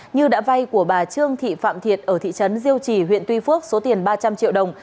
như đã vay của bà trương thị phạm thiệt ở thị trấn diêu trì huyện tuy phước số tiền ba trăm linh triệu đồng